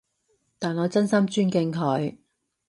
但我真心尊敬佢